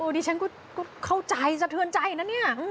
ดิฉันก็เข้าใจสะเทือนใจนะเนี่ย